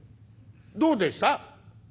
「どうでした？」。